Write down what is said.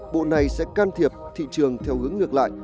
bộ này sẽ can thiệp thị trường theo hướng ngược lại